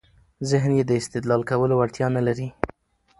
ذهن يې د استدلال کولو وړتیا نلري.